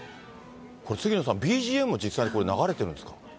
杉野さん、ＢＧＭも実際にこれ、流れてるんですか。